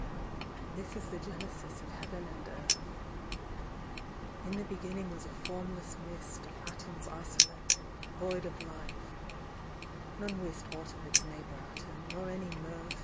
This is the genesis of Heaven and Earth. In the beginning was a formless mist Of atoms isolate, void of life ; none wist Aught of its neighbour atom, nor any mirth.